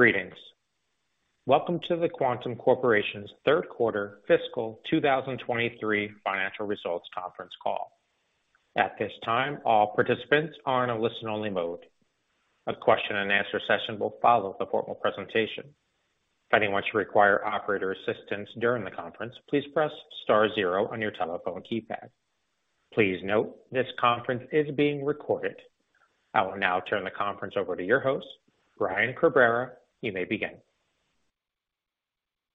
Greetings. Welcome to the Quantum Corporation's third quarter fiscal 2023 financial results conference call. At this time, all participants are in a listen-only mode. A question and answer session will follow the formal presentation. If anyone should require operator assistance during the conference, please press star zero on your telephone keypad. Please note this conference is being recorded. I will now turn the conference over to your host, Brian Cabrera. You may begin.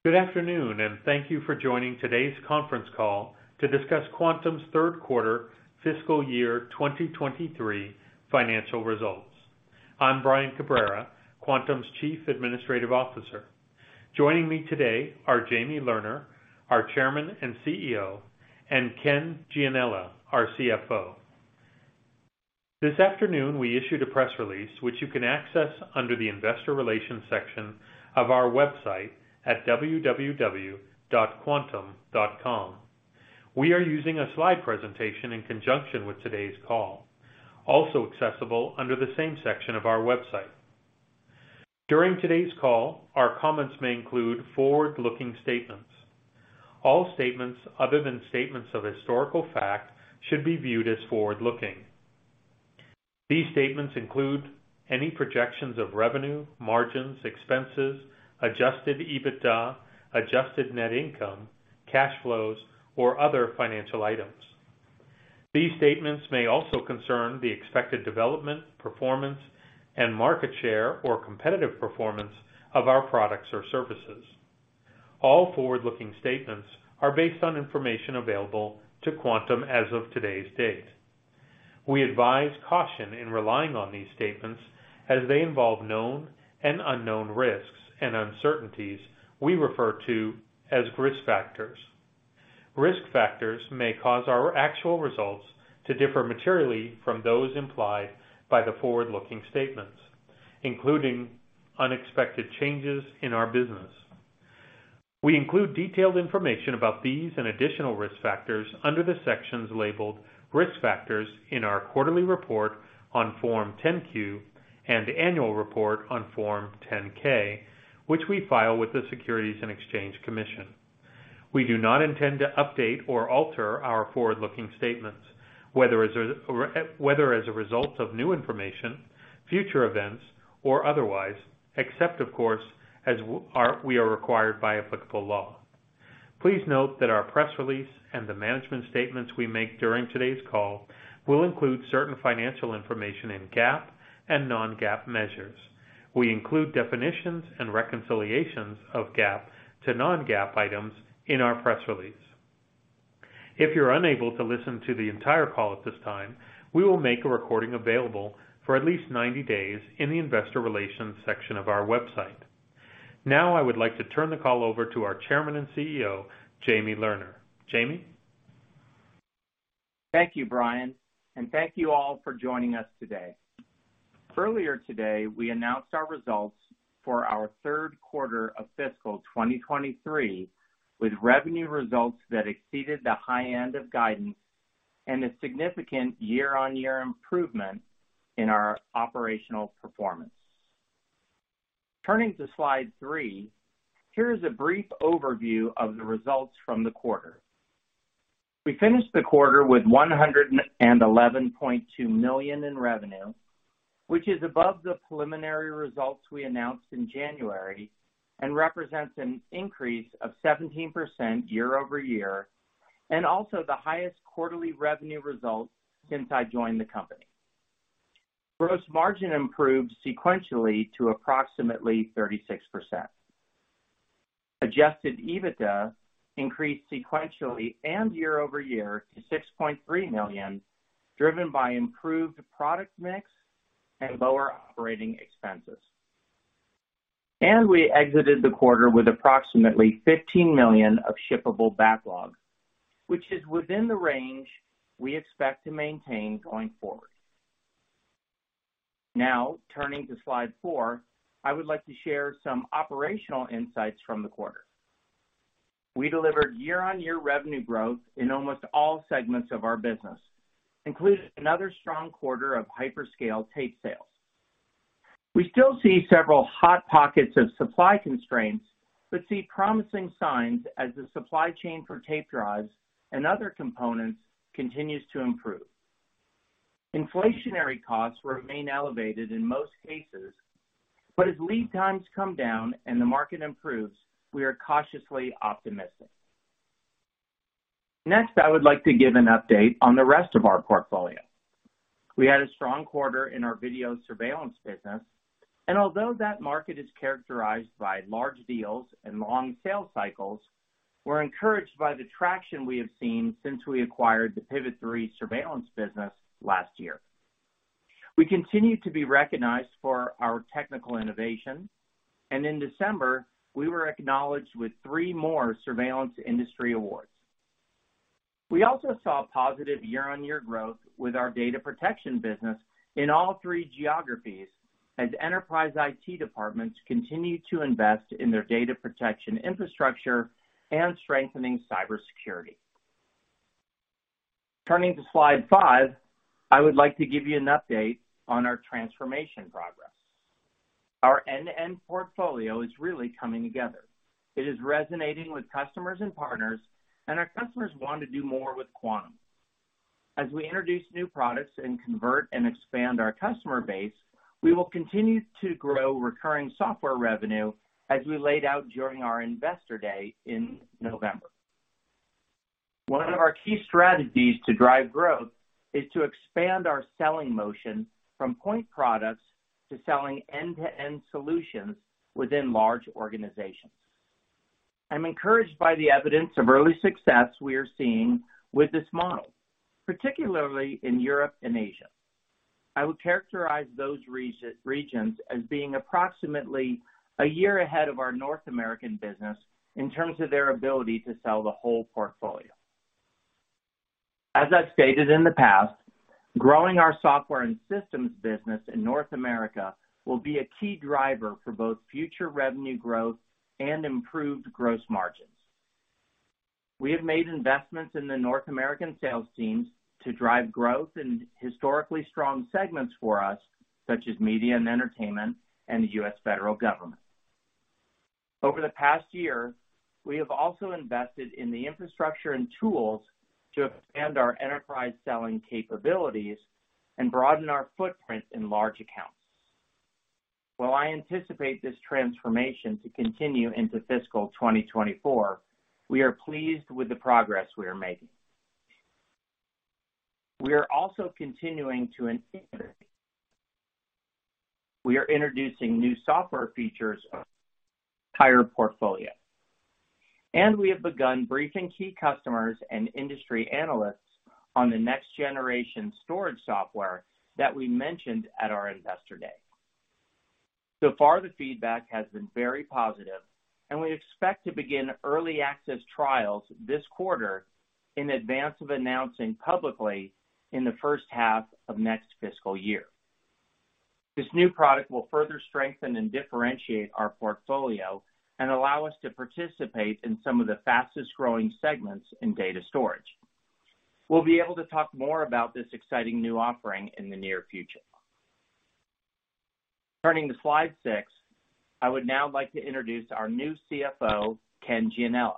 Good afternoon, and thank you for joining today's conference call to discuss Quantum's third quarter fiscal year 2023 financial results. I'm Brian Cabrera, Quantum's Chief Administrative Officer. Joining me today are Jamie Lerner, our Chairman and CEO, and Ken Gianella, our CFO. This afternoon, we issued a press release which you can access under the investor relations section of our website at www.quantum.com. We are using a slide presentation in conjunction with today's call, also accessible under the same section of our website. During today's call, our comments may include forward-looking statements. All statements other than statements of historical fact should be viewed as forward-looking. These statements include any projections of revenue, margins, expenses, adjusted EBITDA, adjusted net income, cash flows, or other financial items. These statements may also concern the expected development, performance, and market share or competitive performance of our products or services. All forward-looking statements are based on information available to Quantum as of today's date. We advise caution in relying on these statements as they involve known and unknown risks and uncertainties we refer to as risk factors. Risk factors may cause our actual results to differ materially from those implied by the forward-looking statements, including unexpected changes in our business. We include detailed information about these and additional risk factors under the sections labeled Risk Factors in our quarterly report on Form 10-Q and annual report on Form 10-K, which we file with the Securities and Exchange Commission. We do not intend to update or alter our forward-looking statements, whether as a result of new information, future events, or otherwise, except of course, as we are required by applicable law. Please note that our press release and the management statements we make during today's call will include certain financial information in GAAP and non-GAAP measures. We include definitions and reconciliations of GAAP to non-GAAP items in our press release. If you're unable to listen to the entire call at this time, we will make a recording available for at least 90 days in the investor relations section of our website. Now I would like to turn the call over to our Chairman and CEO, Jamie Lerner. Jamie? Thank you, Brian, and thank you all for joining us today. Earlier today, we announced our results for our third quarter of fiscal 2023, with revenue results that exceeded the high end of guidance and a significant year-over-year improvement in our operational performance. Turning to slide three, here's a brief overview of the results from the quarter. We finished the quarter with $111.2 million in revenue, which is above the preliminary results we announced in January, and represents an increase of 17% year-over-year, and also the highest quarterly revenue results since I joined the company. Gross margin improved sequentially to approximately 36%. Adjusted EBITDA increased sequentially and year-over-year to $6.3 million, driven by improved product mix and lower operating expenses. We exited the quarter with approximately $15 million of shippable backlog, which is within the range we expect to maintain going forward. Turning to slide four, I would like to share some operational insights from the quarter. We delivered year-on-year revenue growth in almost all segments of our business, including another strong quarter of hyperscale tape sales. We still see several hot pockets of supply constraints, but see promising signs as the supply chain for tape drives and other components continues to improve. Inflationary costs remain elevated in most cases, but as lead times come down and the market improves, we are cautiously optimistic. I would like to give an update on the rest of our portfolio. We had a strong quarter in our video surveillance business. Although that market is characterized by large deals and long sales cycles, we're encouraged by the traction we have seen since we acquired the Pivot3 surveillance business last year. We continue to be recognized for our technical innovation. In December, we were acknowledged with three more surveillance industry awards. We also saw positive year-on-year growth with our data protection business in all three geographies as enterprise IT departments continue to invest in their data protection infrastructure and strengthening cybersecurity. Turning to slide five, I would like to give you an update on our transformation progress. Our end-to-end portfolio is really coming together. It is resonating with customers and partners. Our customers want to do more with Quantum. As we introduce new products and convert and expand our customer base, we will continue to grow recurring software revenue as we laid out during our investor day in November. One of our key strategies to drive growth is to expand our selling motion from point products to selling end-to-end solutions within large organizations. I'm encouraged by the evidence of early success we are seeing with this model, particularly in Europe and Asia. I would characterize those regions as being approximately a year ahead of our North American business in terms of their ability to sell the whole portfolio. As I've stated in the past, growing our software and systems business in North America will be a key driver for both future revenue growth and improved gross margins. We have made investments in the North American sales teams to drive growth in historically strong segments for us, such as media and entertainment and the U.S. federal government. Over the past year, we have also invested in the infrastructure and tools to expand our enterprise selling capabilities and broaden our footprint in large accounts. While I anticipate this transformation to continue into fiscal 2024, we are pleased with the progress we are making. We are also continuing to innovate. We are introducing new software features of entire portfolio, and we have begun briefing key customers and industry analysts on the next-generation storage software that we mentioned at our investor day. The feedback has been very positive, and we expect to begin early access trials this quarter in advance of announcing publicly in the first half of next fiscal year. This new product will further strengthen and differentiate our portfolio and allow us to participate in some of the fastest-growing segments in data storage. We'll be able to talk more about this exciting new offering in the near future. Turning to slide six, I would now like to introduce our new CFO, Ken Gianella.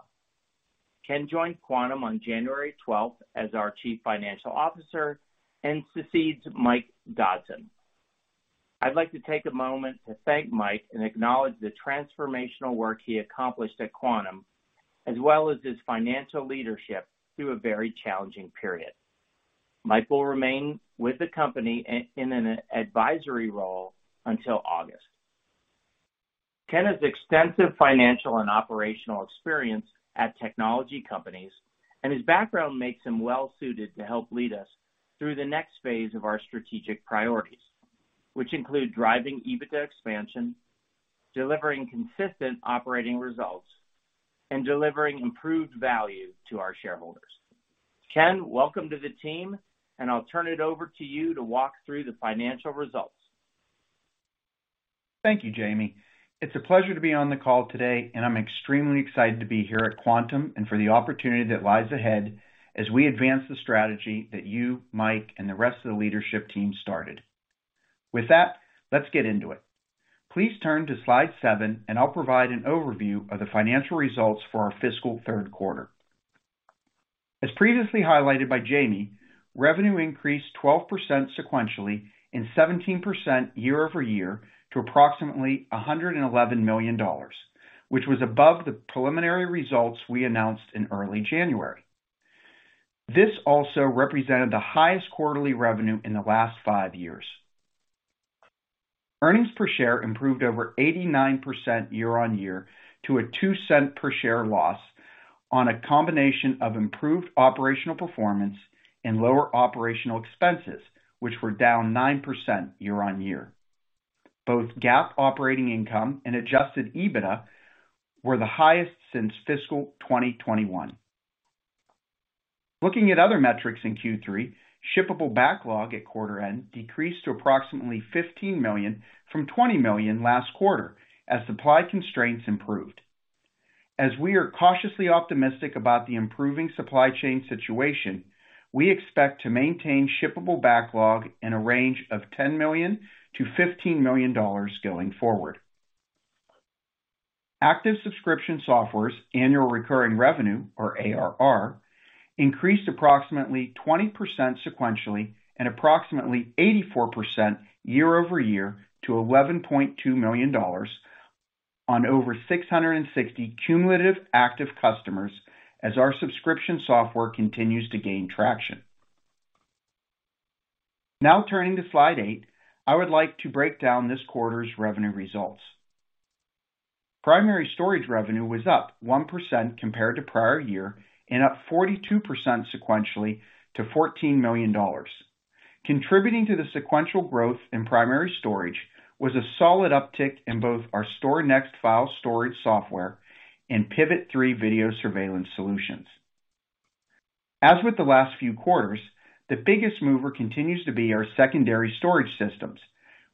Ken joined Quantum on January 12th as our Chief Financial Officer and succeeds Mike Dodson. I'd like to take a moment to thank Mike and acknowledge the transformational work he accomplished at Quantum, as well as his financial leadership through a very challenging period. Mike will remain with the company in an advisory role until August. Ken has extensive financial and operational experience at technology companies, and his background makes him well suited to help lead us through the next phase of our strategic priorities, which include driving EBITDA expansion, delivering consistent operating results, and delivering improved value to our shareholders. Ken, welcome to the team, and I'll turn it over to you to walk through the financial results. Thank you, Jamie. It's a pleasure to be on a call today and I'm extremely excited to be here at Quantum and for the opportunity that lies ahead as we advance the strategy that you, Mike, and the rest of the leadership team started. With that, let's get into it. Please turn to slide seven. I'll provide an overview of the financial results for our fiscal third quarter. As previously highlighted by Jamie, revenue increased 12% sequentially and 17% year-over-year to approximately $111 million, which was above the preliminary results we announced in early January. This also represented the highest quarterly revenue in the last five years. Earnings per share improved over 89% year-on-year to a $0.02 per share loss on a combination of improved operational performance and lower operational expenses, which were down 9% year-on-year. Both GAAP operating income and adjusted EBITDA were the highest since fiscal 2021. Looking at other metrics in Q3, shippable backlog at quarter end decreased to approximately $15 million from $20 million last quarter as supply constraints improved. As we are cautiously optimistic about the improving supply chain situation, we expect to maintain shippable backlog in a range of $10 million-$15 million going forward. Active subscription software's annual recurring revenue, or ARR, increased approximately 20% sequentially and approximate 84% year-over-year to $11.2 million on over 660 cumulative active customers as our subscription software continues to gain traction. Now turning to slide eight, I would like to break down this quarter's revenue results. Primary storage revenue was up 1% compared to prior year and up 42% sequentially to $14 million. Contributing to the sequential growth in primary storage was a solid uptick in both our StorNext file storage software and Pivot3 video surveillance solutions. As with the last few quarters, the biggest mover continues to be our secondary storage systems.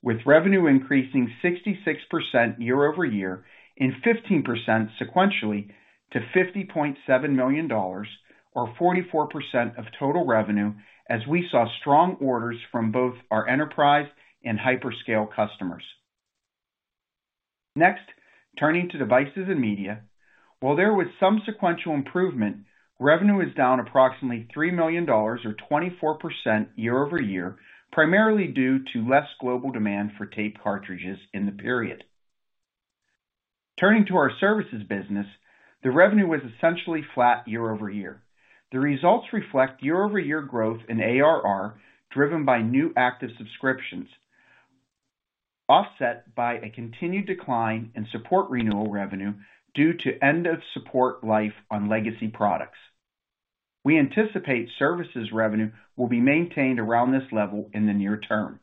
With revenue increasing 66% year-over-year and 15% sequentially to $50.7 million, or 44% of total revenue, as we saw strong orders from both our enterprise and hyperscale customers. Next, turning to devices and media. While there was some sequential improvement, revenue is down approximately $3 million or 24% year-over-year, primarily due to less global demand for tape cartridges in the period. Turning to our services business, the revenue was essentially flat year-over-year. The results reflect year-over-year growth in ARR driven by new active subscriptions, offset by a continued decline in support renewal revenue due to end of support life on legacy products. We anticipate services revenue will be maintained around this level in the near term.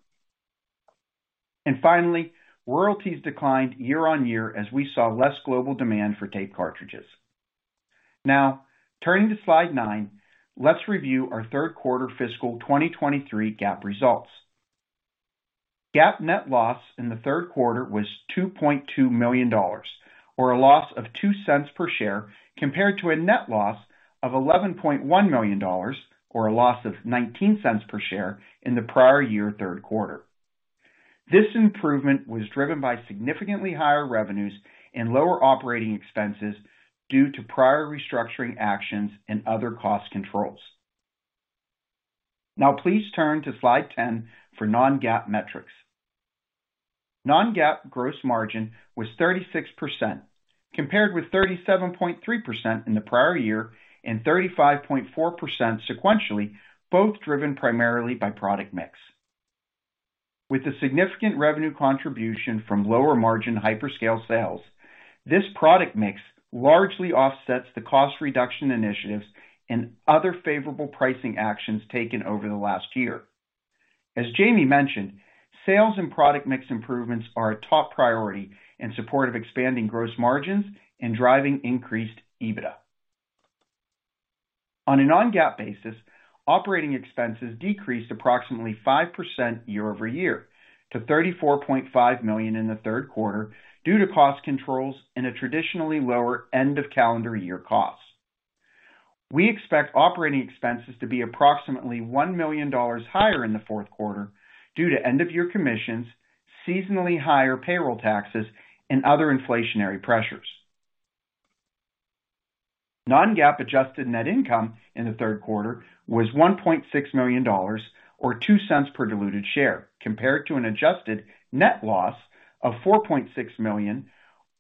Finally, royalties declined year-on-year as we saw less global demand for tape cartridges. Turning to slide nine, let's review our third quarter fiscal 2023 GAAP results. GAAP net loss in the third quarter was $2.2 million, or a loss of $0.02 per share, compared to a net loss of $11.1 million, or a loss of $0.19 per share in the prior year third quarter. This improvement was driven by significantly higher revenues and lower operating expenses due to prior restructuring actions and other cost controls. Now please turn to slide 10 for non-GAAP metrics. Non-GAAP gross margin was 36%, compared with 37.3% in the prior year and 35.4% sequentially, both driven primarily by product mix. With the significant revenue contribution from lower margin hyperscale sales, this product mix largely offsets the cost reduction initiatives and other favorable pricing actions taken over the last year. As Jamie mentioned, sales and product mix improvements are a top priority in support of expanding gross margins and driving increased EBITDA. On a non-GAAP basis, operating expenses decreased approximately 5% year-over-year to $34.5 million in the third quarter due to cost controls and a traditionally lower end of calendar year costs. We expect operating expenses to be approximately $1 million higher in the fourth quarter due to end of year commissions, seasonally higher payroll taxes and other inflationary pressures. Non-GAAP adjusted net income in the third quarter was $1.6 million, or $0.02 per diluted share, compared to an adjusted net loss of $4.6 million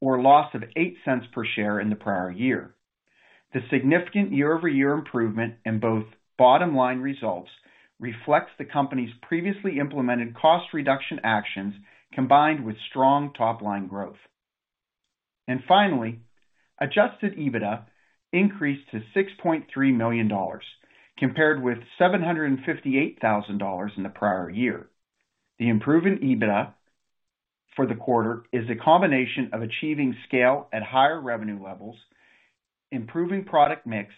or a loss of $0.08 per share in the prior year. The significant year-over-year improvement in both bottom line results reflects the company's previously implemented cost reduction actions combined with strong top line growth. Finally, adjusted EBITDA increased to $6.3 million compared with $758,000 in the prior year. The improvement EBITDA for the quarter is a combination of achieving scale at higher revenue levels, improving product mix,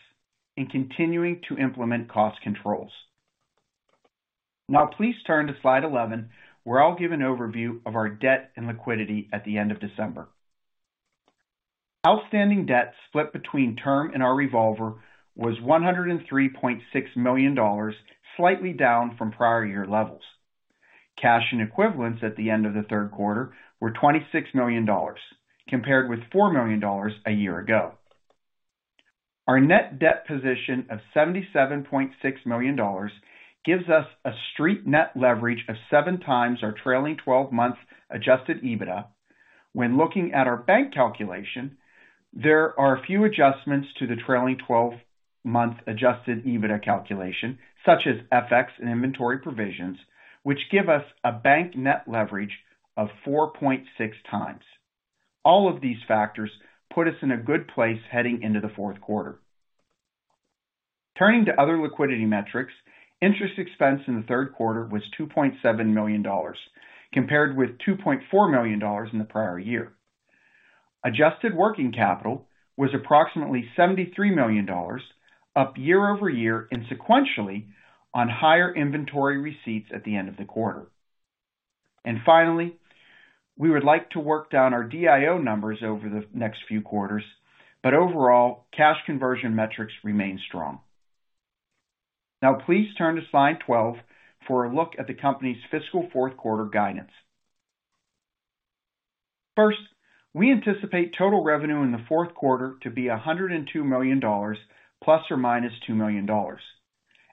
and continuing to implement cost controls. Now please turn to slide 11, where I'll give an overview of our debt and liquidity at the end of December. Outstanding debt split between term and our revolver was $103.6 million, slightly down from prior year levels. Cash and equivalents at the end of the third quarter were $26 million, compared with $4 million a year ago. Our net debt position of $77.6 million gives us a straight net leverage of 7x our trailing 12-month adjusted EBITDA. When looking at our bank calculation, there are a few adjustments to the trailing 12-month adjusted EBITDA calculation, such as FX and inventory provisions, which give us a bank net leverage of 4.6x. All of these factors put us in a good place heading into the fourth quarter. Turning to other liquidity metrics, interest expense in the third quarter was $2.7 million, compared with $2.4 million in the prior year. Adjusted working capital was approximately $73 million up year-over-year and sequentially on higher inventory receipts at the end of the quarter. Finally, we would like to work down our DIO numbers over the next few quarters, but overall cash conversion metrics remain strong. Please turn to slide 12 for a look at the company's fiscal fourth quarter guidance. First, we anticipate total revenue in the fourth quarter to be $102 million ± $2 million.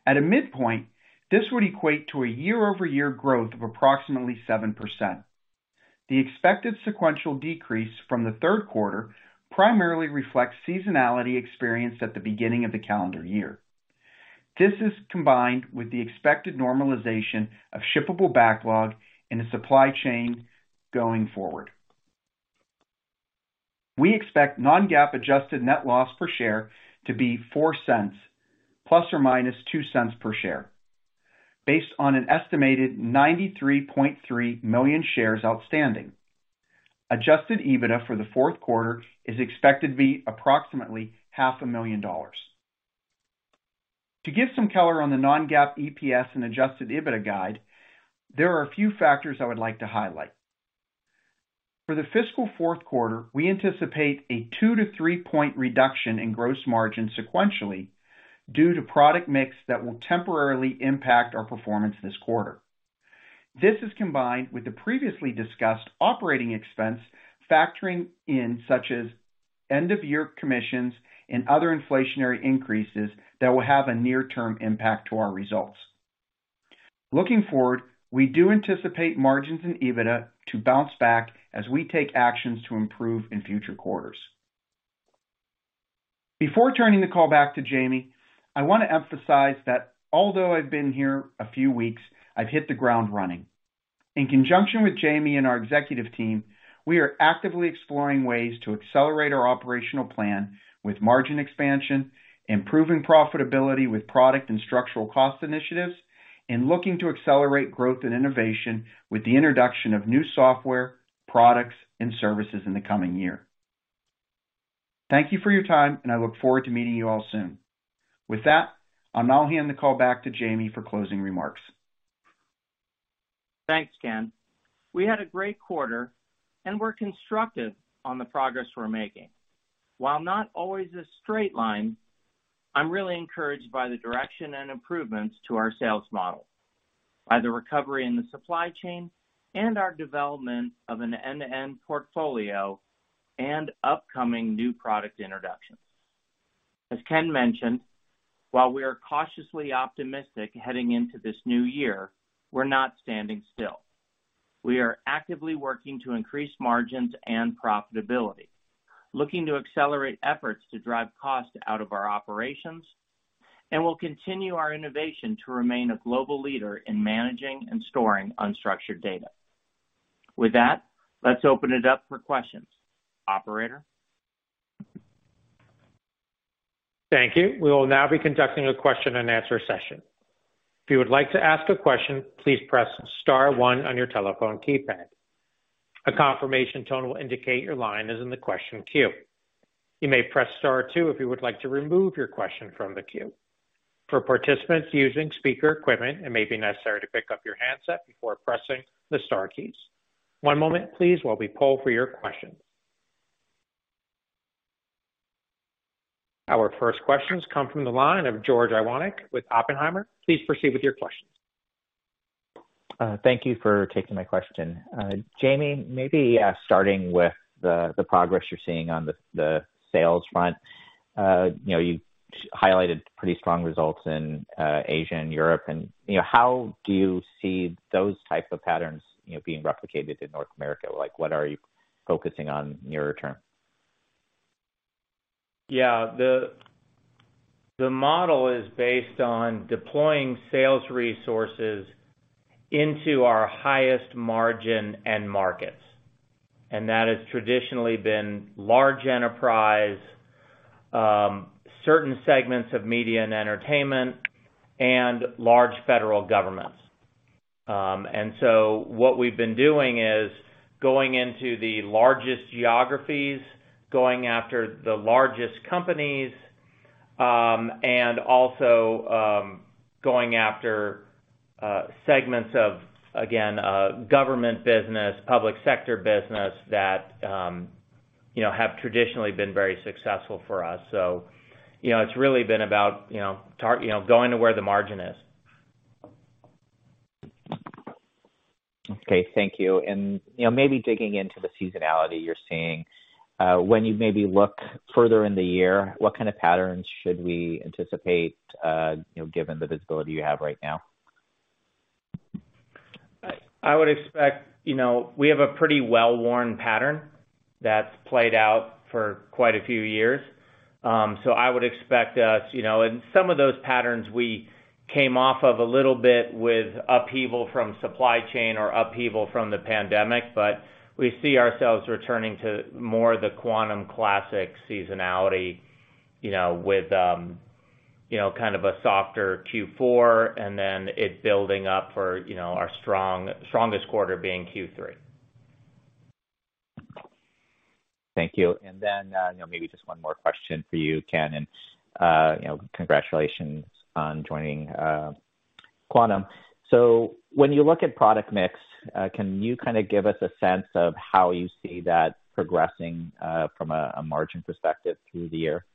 At a midpoint, this would equate to a year-over-year growth of approximately 7%. The expected sequential decrease from the third quarter primarily reflects seasonality experienced at the beginning of the calendar year. This is combined with the expected normalization of shippable backlog in the supply chain going forward. We expect non-GAAP adjusted net loss per share to be $0.04 ± $0.02 per share, based on an estimated 93.3 million shares outstanding. Adjusted EBITDA for the fourth quarter is expected to be approximately $500,000. To give some color on the non-GAAP EPS and adjusted EBITDA guide, there are a few factors I would like to highlight. For the fiscal fourth quarter, we anticipate a two to three point reduction in gross margin sequentially due to product mix that will temporarily impact our performance this quarter. This is combined with the previously discussed operating expense factoring in, such as end of year commissions and other inflationary increases that will have a near-term impact to our results. Looking forward, we do anticipate margins and EBITDA to bounce back as we take actions to improve in future quarters. Before turning the call back to Jamie, I want to emphasize that although I've been here a few weeks, I've hit the ground running. In conjunction with Jamie and our executive team, we are actively exploring ways to accelerate our operational plan with margin expansion, improving profitability with product and structural cost initiatives, and looking to accelerate growth and innovation with the introduction of new software, products, and services in the coming year. Thank you for your time, and I look forward to meeting you all soon. With that, I'll now hand the call back to Jamie for closing remarks. Thanks, Ken. We had a great quarter, and we're constructive on the progress we're making. While not always a straight line, I'm really encouraged by the direction and improvements to our sales model by the recovery in the supply chain and our development of an end-to-end portfolio and upcoming new product introductions. As Ken mentioned, while we are cautiously optimistic heading into this new year, we're not standing still. We are actively working to increase margins and profitability, looking to accelerate efforts to drive cost out of our operations, and we'll continue our innovation to remain a global leader in managing and storing unstructured data. With that, let's open it up for questions. Operator? Thank you. We will now be conducting a question-and-answer session. If you would like to ask a question, please press star one on your telephone keypad. A confirmation tone will indicate your line is in the question queue. You may press star two if you would like to remove your question from the queue. For participants using speaker equipment, it may be necessary to pick up your handset before pressing the star keys. One moment please while we poll for your questions. Our first questions come from the line of George Iwanyc with Oppenheimer. Please proceed with your questions. Thank you for taking my question. Jamie, maybe, starting with the progress you're seeing on the sales front. You know, you highlighted pretty strong results in, Asia and Europe. You know, how do you see those type of patterns, you know, being replicated in North America? Like, what are you focusing on near-term? The, the model is based on deploying sales resources into our highest margin end markets, and that has traditionally been large enterprise, certain segments of media and entertainment and large federal governments. What we've been doing is going into the largest geographies, going after the largest companies, and also, going after segments of, again, government business, public sector business that, you know, have traditionally been very successful for us. You know, it's really been about, you know, going to where the margin is. Okay. Thank you. you know, maybe digging into the seasonality you're seeing, when you maybe look further in the year, what kind of patterns should we anticipate, you know, given the visibility you have right now? I would expect, you know, we have a pretty well-worn pattern that's played out for quite a few years. I would expect us, you know. Some of those patterns we came off of a little bit with upheaval from supply chain or upheaval from the pandemic. We see ourselves returning to more the Quantum classic seasonality, you know, with, you know, kind of a softer Q4 and then it building up for, you know, our strongest quarter being Q3. Thank you. Then, you know, maybe just one more question for you, Ken, and, you know, congratulations on joining, Quantum. When you look at product mix, can you kinda give us a sense of how you see that progressing, from a margin perspective through the year?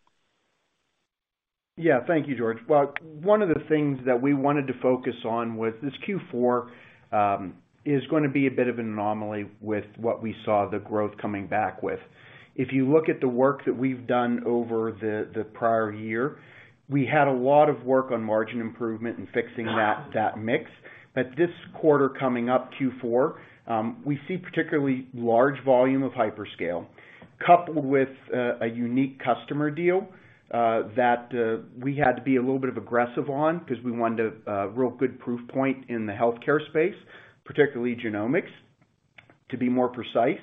Yeah. Thank you, George. Well, one of the things that we wanted to focus on with this Q4 is gonna be a bit of an anomaly with what we saw the growth coming back with. If you look at the work that we've done over the prior year, we had a lot of work on margin improvement and fixing that mix. This quarter coming up, Q4, we see particularly large volume of hyperscale coupled with a unique customer deal that we had to be a little bit of aggressive on because we wanted a real good proof point in the healthcare space, particularly genomics. To be more precise,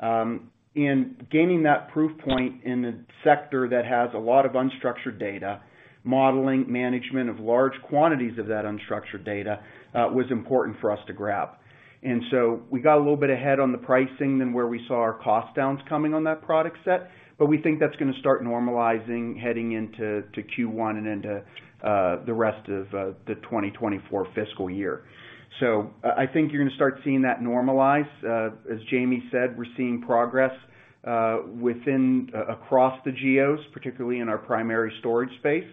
in gaining that proof point in a sector that has a lot of unstructured data, modeling management of large quantities of that unstructured data, was important for us to grab. We got a little bit ahead on the pricing than where we saw our cost downs coming on that product set, but we think that's gonna start normalizing heading into Q1 and into the rest of the 2024 fiscal year. I think you're gonna start seeing that normalize. As Jamie said, we're seeing progress across the geos, particularly in our primary storage space.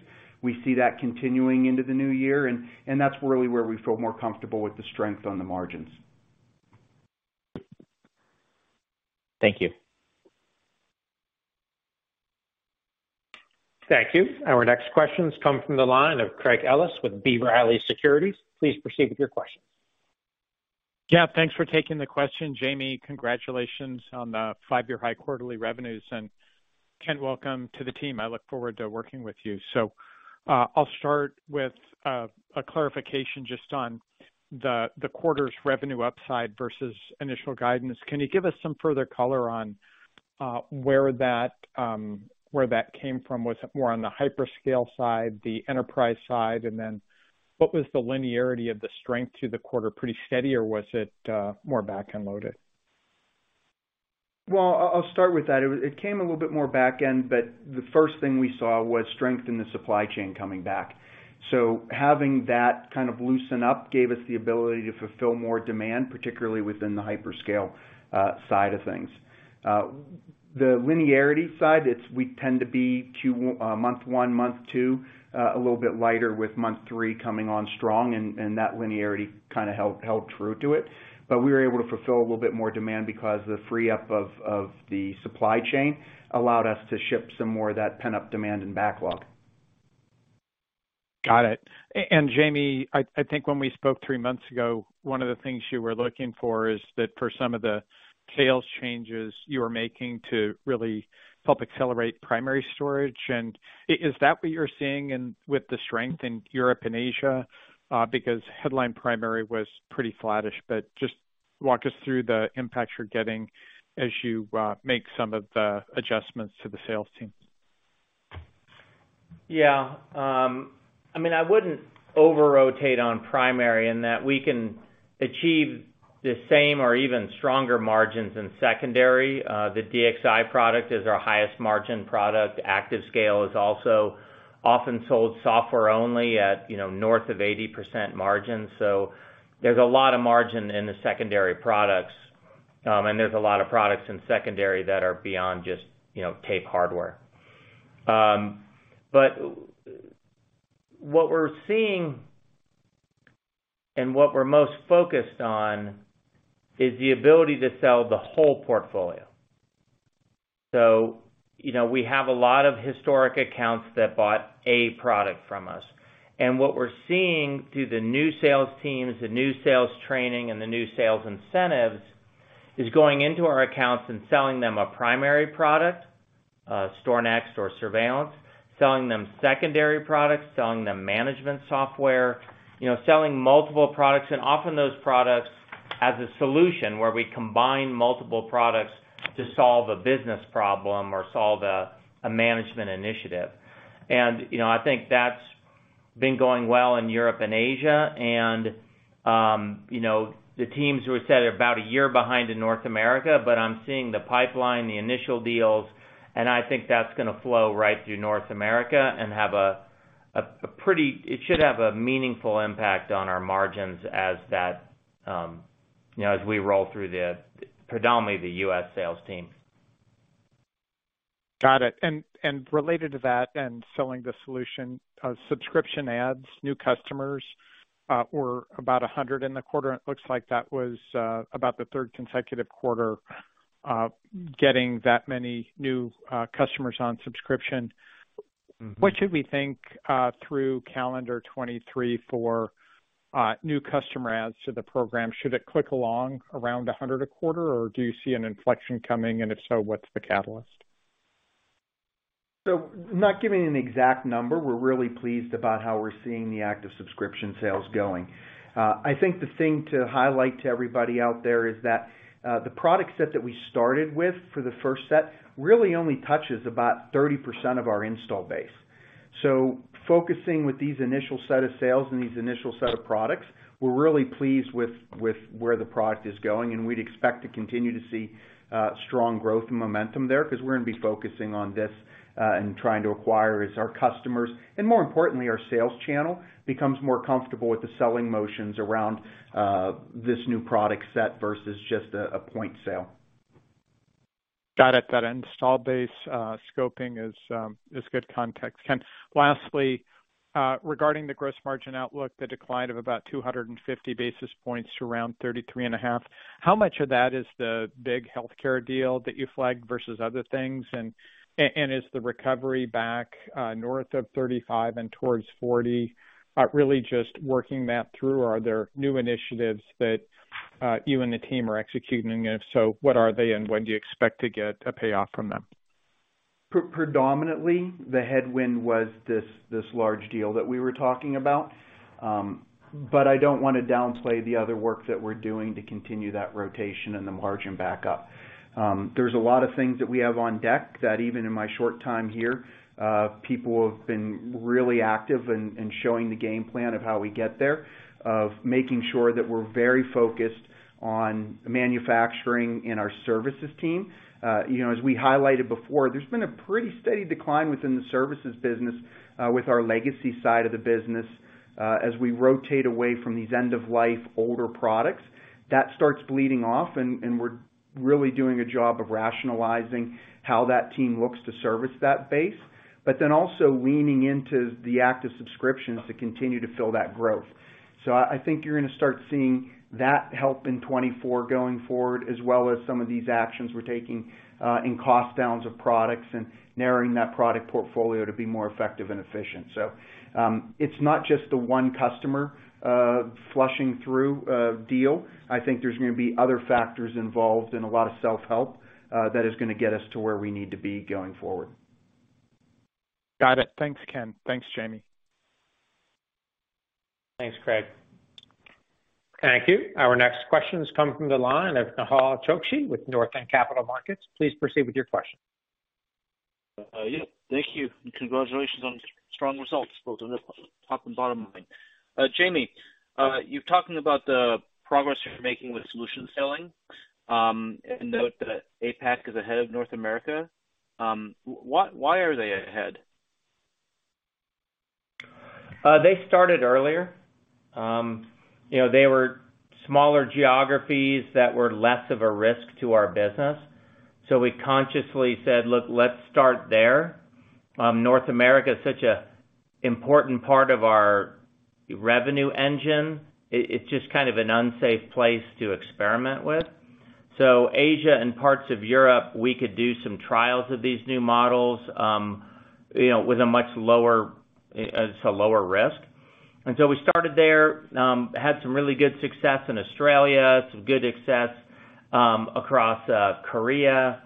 We see that continuing into the new year, and that's really where we feel more comfortable with the strength on the margins. Thank you. Thank you. Our next questions come from the line of Craig Ellis with B. Riley Securities. Please proceed with your question. Yeah, thanks for taking the question. Jamie, congratulations on the five-year high quarterly revenues, and Ken, welcome to the team. I look forward to working with you. I'll start with a clarification just on the quarter's revenue upside versus initial guidance. Can you give us some further color on where that came from? Was it more on the hyperscale side, the enterprise side? What was the linearity of the strength to the quarter? Pretty steady, or was it more back-end loaded? Well, I'll start with that. It came a little bit more back-end, the first thing we saw was strength in the supply chain coming back. Having that kind of loosen up gave us the ability to fulfill more demand, particularly within the hyperscale side of things. The linearity side, it's we tend to be month one, month two, a little bit lighter with month three coming on strong, and that linearity kind of held true to it. We were able to fulfill a little bit more demand because the free up of the supply chain allowed us to ship some more of that pent-up demand and backlog. Got it. Jamie, I think when we spoke three months ago, one of the things you were looking for is that for some of the sales changes you were making to really help accelerate primary storage. Is that what you're seeing with the strength in Europe and Asia? Because headline primary was pretty flattish, but just walk us through the impact you're getting as you make some of the adjustments to the sales team. Yeah. I mean, I wouldn't over-rotate on primary in that we can achieve the same or even stronger margins in secondary. The DXi product is our highest margin product. ActiveScale is also often sold software only at, you know, north of 80% margin. There's a lot of margin in the secondary products, and there's a lot of products in secondary that are beyond just, you know, tape hardware. What we're seeing and what we're most focused on is the ability to sell the whole portfolio. You know, we have a lot of historic accounts that bought a product from us. What we're seeing through the new sales teams, the new sales training, and the new sales incentives is going into our accounts and selling them a primary product, StorNext or Surveillance, selling them secondary products, selling them management software, you know, selling multiple products, and often those products as a solution where we combine multiple products to solve a business problem or solve a management initiative. You know, I think that's been going well in Europe and Asia. You know, the teams we said are about a year behind in North America, but I'm seeing the pipeline, the initial deals, and I think that's gonna flow right through North America and it should have a meaningful impact on our margins as that, you know, as we roll through the, predominantly the U.S. sales team. Got it. Related to that and selling the solution, subscription adds new customers, were about 100 in the quarter. It looks like that was about the third consecutive quarter, getting that many new customers on subscription. Mm-hmm. What should we think through calendar 2023 for new customer adds to the program? Should it click along around 100 a quarter, or do you see an inflection coming, and if so, what's the catalyst? Not giving an exact number, we're really pleased about how we're seeing the active subscription sales going. I think the thing to highlight to everybody out there is that the product set that we started with for the first set really only touches about 30% of our install base. Focusing with these initial set of sales and these initial set of products, we're really pleased with where the product is going, and we'd expect to continue to see strong growth and momentum there 'cause we're gonna be focusing on this and trying to acquire as our customers, and more importantly, our sales channel becomes more comfortable with the selling motions around this new product set versus just a point sale. Got it. That install base scoping is good context. Lastly, regarding the gross margin outlook, the decline of about 250 basis points to around 33.5%, how much of that is the big healthcare deal that you flagged versus other things? Is the recovery back north of 35% and towards 40% really just working that through? Are there new initiatives that you and the team are executing? If so, what are they, and when do you expect to get a payoff from them? Predominantly, the headwind was this large deal that we were talking about. I don't wanna downplay the other work that we're doing to continue that rotation and the margin back up. There's a lot of things that we have on deck that even in my short time here, people have been really active in showing the game plan of how we get there, of making sure that we're very focused on manufacturing in our services team. You know, as we highlighted before, there's been a pretty steady decline within the services business, with our legacy side of the business. As we rotate away from these end of life older products, that starts bleeding off, and we're really doing a job of rationalizing how that team looks to service that base. Also leaning into the active subscriptions to continue to fill that growth. I think you're gonna start seeing that help in 2024 going forward, as well as some of these actions we're taking in cost downs of products and narrowing that product portfolio to be more effective and efficient. It's not just the one customer flushing through a deal. I think there's gonna be other factors involved and a lot of self-help that is gonna get us to where we need to be going forward. Got it. Thanks, Ken. Thanks, Jamie. Thanks, Craig. Thank you. Our next question is coming from the line of Nehal Chokshi with Northland Capital Markets. Please proceed with your question. Yeah. Thank you. Congratulations on strong results, both on the top and bottom line. Jamie, you've talking about the progress you're making with solution selling, and note that APAC is ahead of North America. Why are they ahead? Uh, they started earlier. Um, you know, they were smaller geographies that were less of a risk to our business. So we consciously said, "Look, let's start there." Um, North America is such a important part of our revenue engine. It-it's just kind of an unsafe place to experiment with. So Asia and parts of Europe, we could do some trials of these new models, um, you know, with a much lower... It's a lower risk. And so we started there, um, had some really good success in Australia, some good success, um, across, uh, Korea,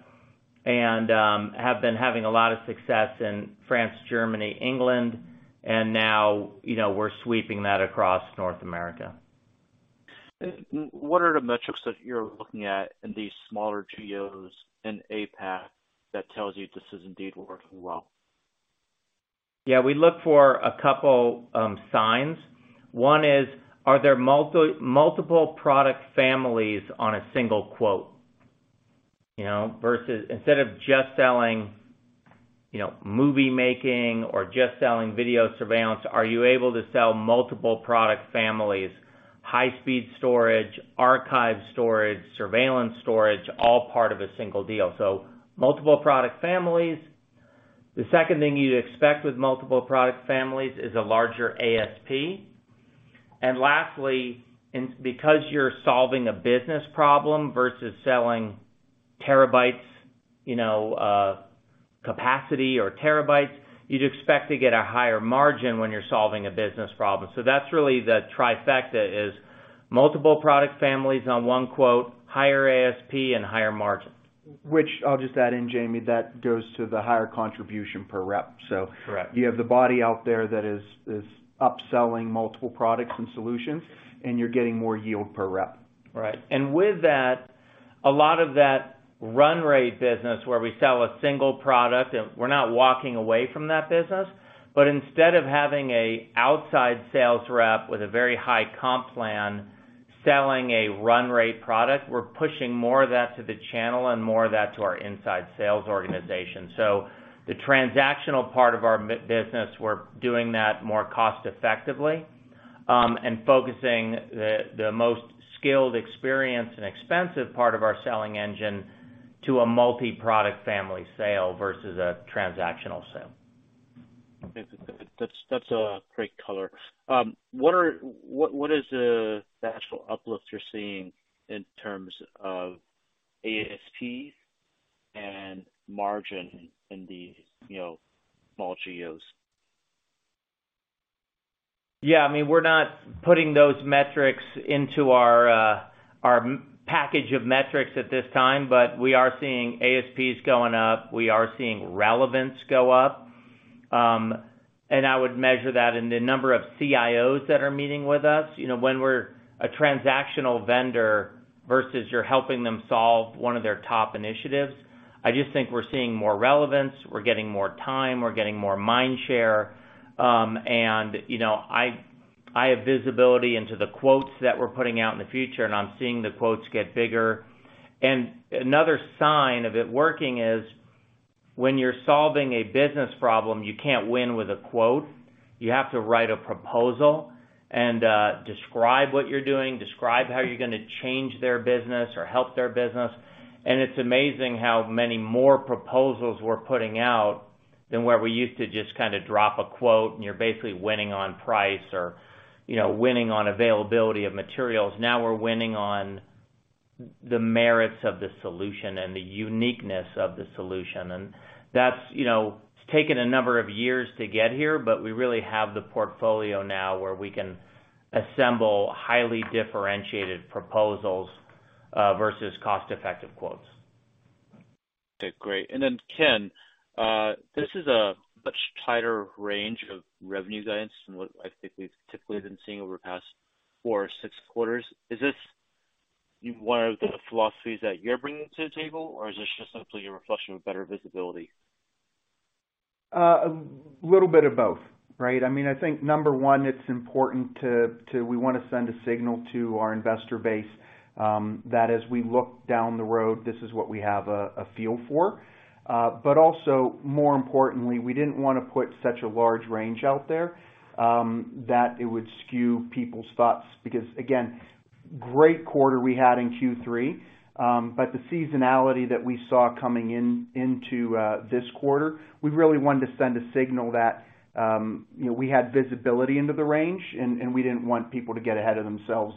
and, um, have been having a lot of success in France, Germany, England, and now, you know, we're sweeping that across North America. What are the metrics that you're looking at in these smaller geos in APAC that tells you this is indeed working well? We look for a couple signs. One is, are there multiple product families on a single quote? You know, versus instead of just selling, you know, movie making or just selling video surveillance, are you able to sell multiple product families, high-speed storage, archive storage, surveillance storage, all part of a single deal. Multiple product families. The second thing you'd expect with multiple product families is a larger ASP. Lastly, and because you're solving a business problem versus selling terabytes, you know, capacity or terabytes, you'd expect to get a higher margin when you're solving a business problem. That's really the trifecta is multiple product families on one quote, higher ASP and higher margins. Which I'll just add in, Jamie, that goes to the higher contribution per rep, so- Correct. You have the body out there that is upselling multiple products and solutions, and you're getting more yield per rep. Right. With that, a lot of that run rate business where we sell a single product, and we're not walking away from that business. Instead of having an outside sales rep with a very high comp plan selling a run rate product, we're pushing more of that to the channel and more of that to our inside sales organization. The transactional part of our business, we're doing that more cost effectively, and focusing the most skilled experience and expensive part of our selling engine to a multi-product family sale versus a transactional sale. Okay. That's a great color. What is the actual uplifts you're seeing in terms of ASP and margin in these, you know, small geos? Yeah, I mean, we're not putting those metrics into our package of metrics at this time, but we are seeing ASPs going up. We are seeing relevance go up. I would measure that in the number of CIOs that are meeting with us. You know, when we're a transactional vendor versus you're helping them solve one of their top initiatives, I just think we're seeing more relevance, we're getting more time, we're getting more mind share. You know, I have visibility into the quotes that we're putting out in the future, and I'm seeing the quotes get bigger. Another sign of it working is when you're solving a business problem, you can't win with a quote, you have to write a proposal and describe what you're doing, describe how you're gonna change their business or help their business. It's amazing how many more proposals we're putting out than where we used to just kinda drop a quote and you're basically winning on price or, you know, winning on availability of materials. Now we're winning on the merits of the solution and the uniqueness of the solution. That's, you know, it's taken a number of years to get here, but we really have the portfolio now where we can assemble highly differentiated proposals versus cost-effective quotes. Okay, great. Ken, this is a much tighter range of revenue guidance than what I think we've typically been seeing over the past four or six quarters. Is this one of the philosophies that you're bringing to the table, or is this just simply a reflection of better visibility? A little bit of both, right? I mean, I think number one, it's important we wanna send a signal to our investor base that as we look down the road, this is what we have a feel for. Also more importantly, we didn't wanna put such a large range out there that it would skew people's thoughts. Again, great quarter we had in Q3, the seasonality that we saw coming in this quarter, we really wanted to send a signal that, you know, we had visibility into the range and we didn't want people to get ahead of themselves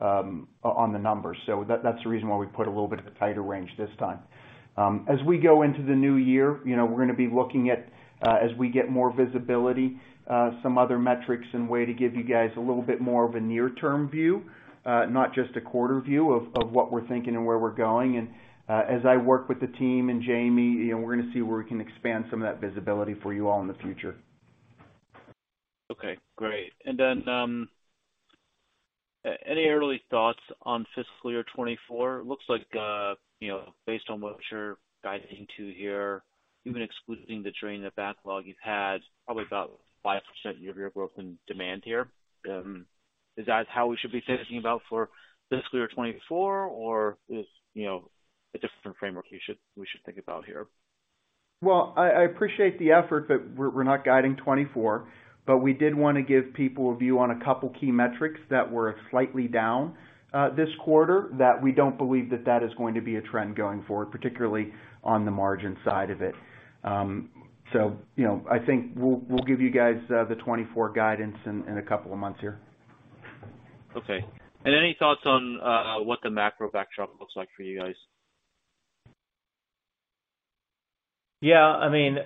on the numbers. That's the reason why we put a little bit of a tighter range this time. As we go into the new year, you know, we're gonna be looking at, as we get more visibility, some other metrics and way to give you guys a little bit more of a near-term view, not just a quarter view of what we're thinking and where we're going. As I work with the team and Jamie, you know, we're gonna see where we can expand some of that visibility for you all in the future. Okay, great. Then, any early thoughts on fiscal year 2024? It looks like, you know, based on what you're guiding to here, even excluding the drain of backlog you've had, probably about 5% year-over-year growth in demand here. Is that how we should be thinking about for fiscal year 2024, or is, you know, a different framework we should think about here? I appreciate the effort, but we're not guiding 2024. We did wanna give people a view on a couple key metrics that were slightly down this quarter that we don't believe that that is going to be a trend going forward, particularly on the margin side of it. you know, I think we'll give you guys the 2024 guidance in a couple of months here. Okay. Any thoughts on what the macro backdrop looks like for you guys? I mean,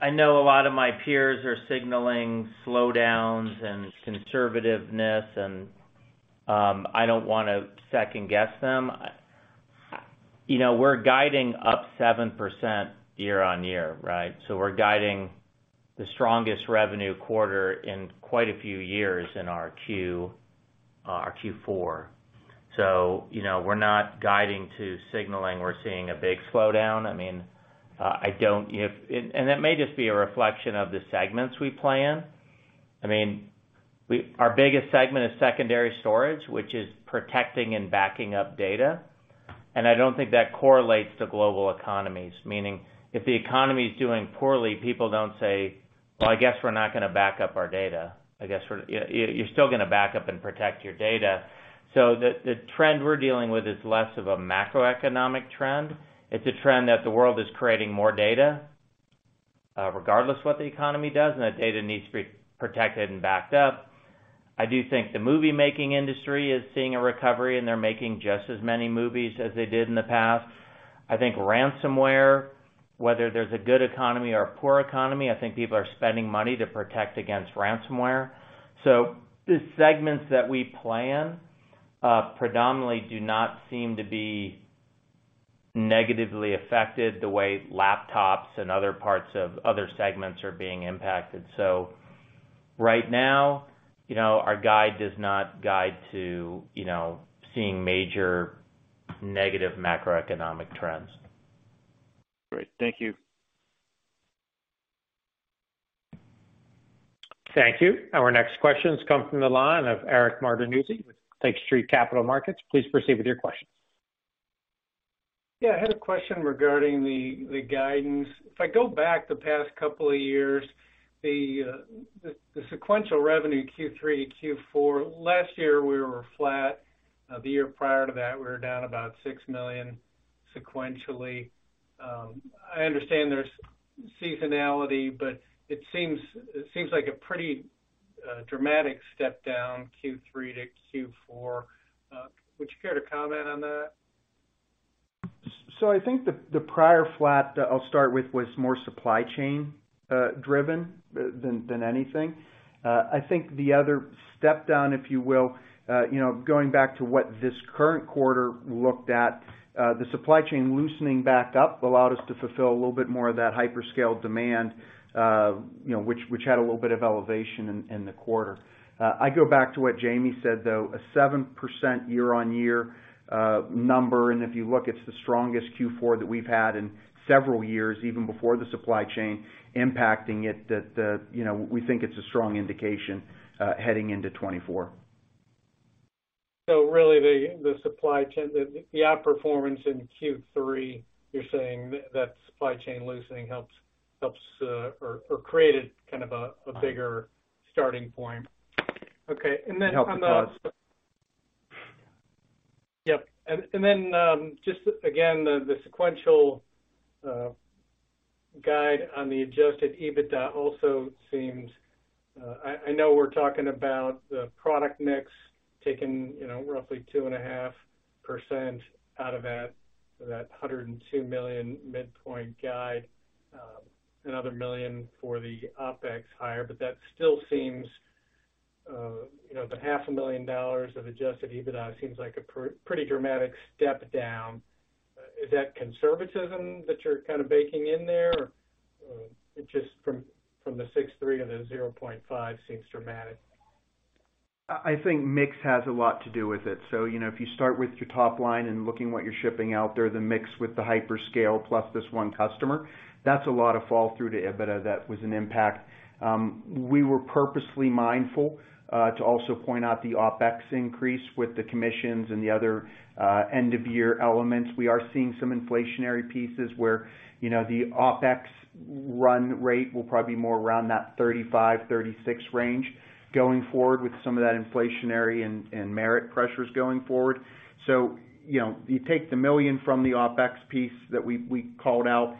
I know a lot of my peers are signaling slowdowns and conservativeness and I don't wanna second-guess them. You know, we're guiding up 7% year-on-year, right? We're guiding the strongest revenue quarter in quite a few years in our Q4. You know, we're not guiding to signaling we're seeing a big slowdown. I mean, it may just be a reflection of the segments we play in. I mean, our biggest segment is secondary storage, which is protecting and backing up data, I don't think that correlates to global economies. Meaning if the economy is doing poorly, people don't say, "Well, I guess we're not gonna back up our data." You're still gonna back up and protect your data. The trend we're dealing with is less of a macroeconomic trend. It's a trend that the world is creating more data, regardless what the economy does, and that data needs to be protected and backed up. I do think the movie-making industry is seeing a recovery, and they're making just as many movies as they did in the past. I think ransomware, whether there's a good economy or a poor economy, I think people are spending money to protect against ransomware. The segments that we plan, predominantly do not seem to be negatively affected the way laptops and other parts of other segments are being impacted. Right now, you know, our guide does not guide to, you know, seeing major negative macroeconomic trends. Great. Thank you. Thank you. Our next question comes from the line of Eric Martinuzzi with Lake Street Capital Markets. Please proceed with your questions. Yeah, I had a question regarding the guidance. If I go back the past couple of years, the sequential revenue Q3 to Q4, last year we were flat. The year prior to that, we were down about $6 million sequentially. I understand there's seasonality, but it seems like a pretty dramatic step down Q3 to Q4. Would you care to comment on that? I think the prior flat, I'll start with, was more supply chain driven than anything. I think the other step down, if you will, you know, going back to what this current quarter looked at, the supply chain loosening back up allowed us to fulfill a little bit more of that hyperscale demand, you know, which had a little bit of elevation in the quarter. I go back to what Jamie said, though. A 7% year-on-year number, and if you look, it's the strongest Q4 that we've had in several years, even before the supply chain impacting it, that, you know, we think it's a strong indication heading into 2024. Really the supply chain-- The outperformance in Q3, you're saying that supply chain loosening helps, or created kind of a bigger starting point? Okay. Then on the- It helped us. Yep. Then, just again, the sequential guide on the adjusted EBITDA also seems. I know we're talking about the product mix taking, you know, roughly 2.5% out of that $102 million midpoint guide, another $1 million for the OpEx higher, but that still seems, you know, the $500,000 of adjusted EBITDA seems like a pretty dramatic step down. Is that conservatism that you're kind of baking in there? Or just from the $6.3 or the $0.5 seems dramatic. I think mix has a lot to do with it. You know, if you start with your top line and looking what you're shipping out there, the mix with the hyperscale plus this one customer, that's a lot of fall through to EBITDA. That was an impact. We were purposely mindful to also point out the OpEx increase with the commissions and the other end of year elements. We are seeing some inflationary pieces where, you know, the OpEx run rate will probably be more around that $35 million, $36 million range going forward with some of that inflationary and merit pressures going forward. you know, you take the $1 million from the OpEx piece that we called out,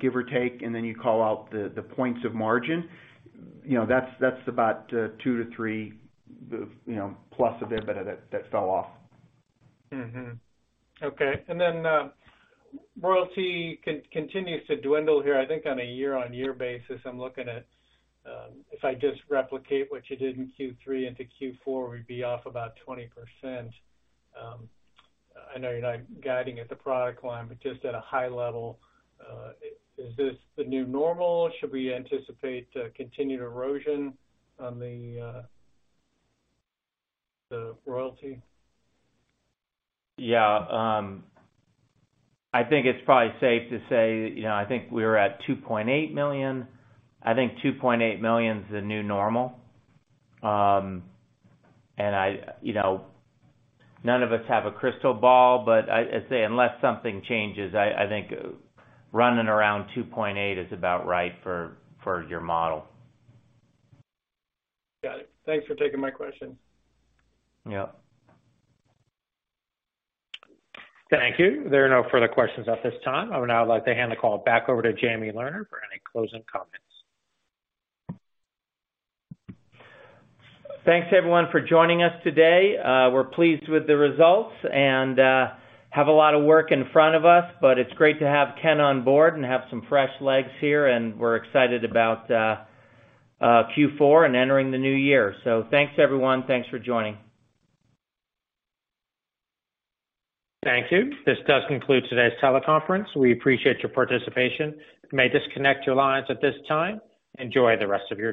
give or take, and then you call out the points of margin, you know, that's about $2 million-$3 million, you know, plus of EBITDA that fell off. Okay. Royalty continues to dwindle here. I think on a year-on-year basis, i'm looking at, if I just replicate what you did in Q3 into Q4, we'd be off about 20%. I know you're not guiding at the product line, but just at a high level, is this the new normal? Should we anticipate continued erosion on the royalty? Yeah. I think it's probably safe to say, you know, I think we're at $2.8 million. I think $2.8 million is the new normal. you know, none of us have a crystal ball, but I'd say unless something changes, I think running around $2.8 is about right for your model. Got it. Thanks for taking my questions. Yeah. Thank you. There are no further questions at this time. I would now like to hand the call back over to Jamie Lerner for any closing comments. Thanks, everyone, for joining us today. We're pleased with the results and have a lot of work in front of us, but it's great to have Ken on board and have some fresh legs here, and we're excited about Q4 and entering the new year. Thanks, everyone. Thanks for joining. Thank you. This does conclude today's teleconference. We appreciate your participation. You may disconnect your lines at this time. Enjoy the rest of your day.